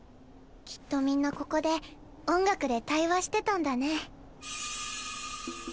きっとみんなここで音楽で対話してたんだね。